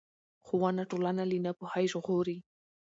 ښوونه ټولنه له ناپوهۍ څخه ژغوري